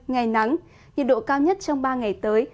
ngày nắng nhiệt độ cao nhất trong ba ngày tới